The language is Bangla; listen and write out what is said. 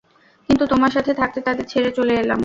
কিন্তু তোমার সাথে থাকতে তাদের ছেঁড়ে চলে এলাম।